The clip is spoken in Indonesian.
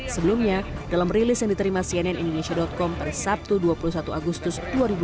sebelumnya dalam rilis yang diterima cnn indonesia com pada sabtu dua puluh satu agustus dua ribu dua puluh